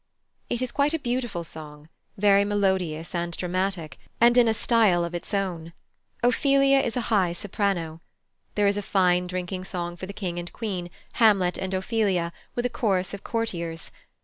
It is quite a beautiful song, very melodious and dramatic, and in a style of its own. Ophelia is a high soprano. There is a fine drinking song for the King and Queen, Hamlet, and Ophelia, with a chorus of courtiers.